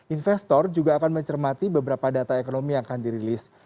investor juga akan mencermati beberapa data ekonomi yang akan dirilis